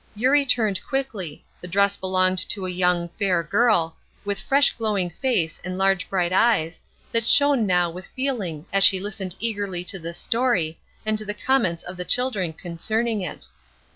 Eurie turned quickly; the dress belonged to a young, fair girl, with fresh glowing face and large bright eyes, that shone now with feeling as she listened eagerly to this story, and to the comments of the children concerning it.